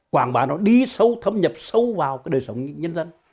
quảng bá nó đi sâu thâm nhập sâu vào cái đời sống nhân dân